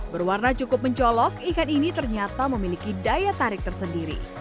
berwarna cukup mencolok ikan ini ternyata memiliki daya tarik tersendiri